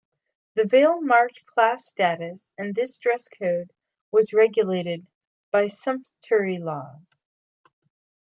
The veil marked class status, and this dress code was regulated by sumptuary laws.